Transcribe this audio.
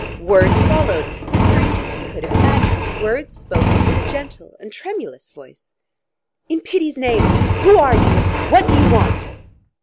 Words followed, the strangest he could have imagined, words spoken in a gentle and tremulous voice: "In pity's name! who are you and what do you want?"